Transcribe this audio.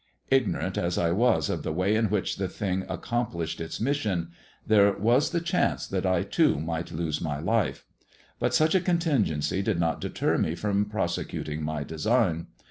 Ignorant as I was of the way in which the thing accom plished its mission, there was the chance that I too might lose my life. But such a contingency did not deter me from prosecuting my design.